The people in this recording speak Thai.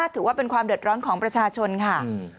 ถือว่าเป็นความเดือดร้อนของประชาชนค่ะ